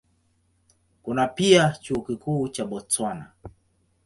Kuna pia Chuo Kikuu cha Botswana.